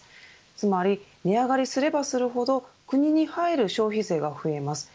つまり、値上がりすればするほど国に入る消費税が増えます。